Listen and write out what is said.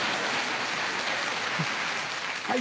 はい！